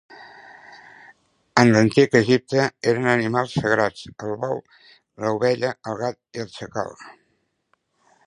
En l'Antic Egipte eren animals sagrats el bou, l'ovella, el gat i el xacal.